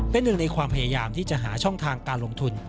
เป็นหนึ่งในความพยายามที่จะหาช่องทางการลงทุน